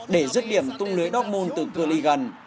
để giấc điểm tung lưới dortmund từ cư ly gần